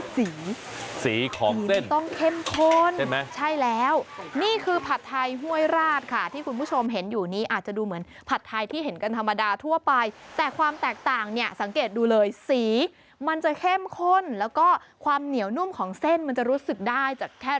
สังเกณฑ์ดูเลยสีมันจะเข้มข้นแล้วก็ความเหนียวนุ่มของเส้นมันจะรู้สึกได้